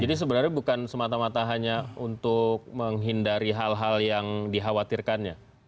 jadi sebenarnya bukan semata mata hanya untuk menghindari hal hal yang dikhawatirkannya